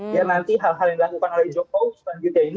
biar nanti hal hal yang dilakukan oleh jokowi selanjutnya ini